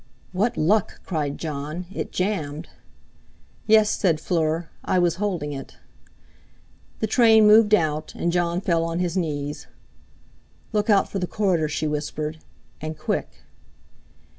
"What luck!" cried Jon. "It Jammed." "Yes," said Fleur; "I was holding it." The train moved out, and Jon fell on his knees. "Look out for the corridor," she whispered; "and—quick!"